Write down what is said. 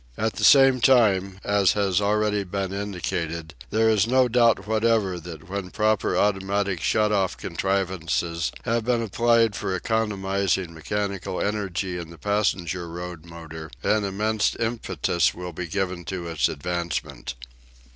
At the same time, as has already been indicated, there is no doubt whatever that when proper automatic shut off contrivances have been applied for economising mechanical energy in the passenger road motor, an immense impetus will be given to its advancement.